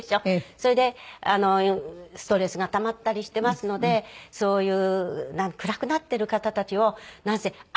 それでストレスがたまったりしてますのでそういう暗くなってる方たちをなんせ明るくしたい。